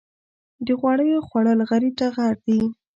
د غوړیو خوړل غریب ته غر دي.